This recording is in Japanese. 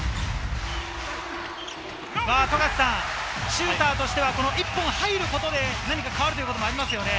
シューターとしては１本入ることで何か変わるということもありますよね。